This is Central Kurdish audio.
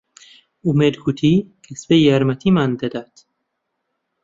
ئومێد گوتی کە سبەی یارمەتیمان دەدات.